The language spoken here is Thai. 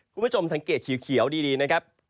คุณผู้ชมสังเกตเขียวดีนะครับ